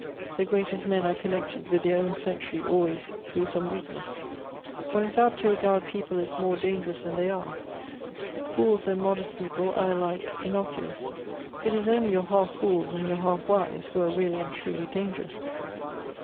"The greatest men are connected with their own century always through some weakness. " One is apt to regaril people as more dangerous than they are. " Fools and modest people are alike innocuous. It is only your half fools and your half wise who are really and truly dangerous.